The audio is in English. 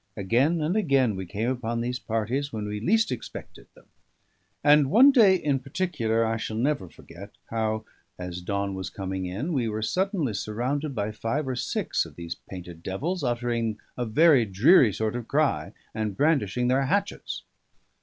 Again and again we came upon these parties when we least expected them; and one day, in particular, I shall never forget how, as dawn was coming in, we were suddenly surrounded by five or six of these painted devils, uttering a very dreary sort of cry, and brandishing their hatchets.